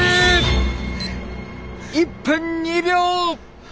１分２秒！